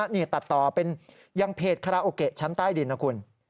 นี่ตัดต่อเป็นยังเพจคาราโอเกะชั้นใต้ดินนะคุณ